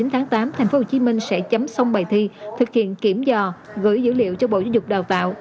tháng tám thành phố hồ chí minh sẽ chấm xong bài thi thực hiện kiểm dò gửi dữ liệu cho bộ giáo dục đào tạo